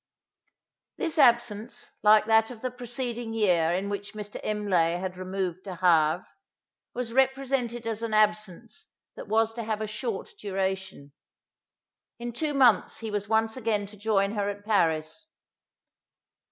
This absence, like that of the preceding year in which Mr. Imlay had removed to Havre, was represented as an absence that was to have a short duration. In two months he was once again to join her at Paris.